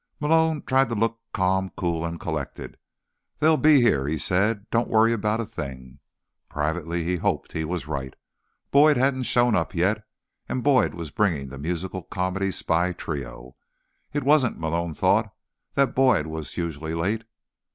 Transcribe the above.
Malone tried to look calm, cool and collected. "They'll be here," he said. "Don't worry about a thing." Privately, he hoped he was right. Boyd hadn't shown up yet, and Boyd was bringing the musical comedy spy trio. It wasn't, Malone thought, that Boyd was usually late.